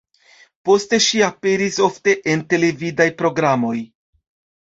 Poste ŝi aperis ofte en televidaj programoj.